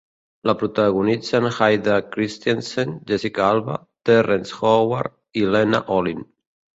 La protagonitzen Hayden Christensen, Jessica Alba, Terrence Howard i Lena Olin.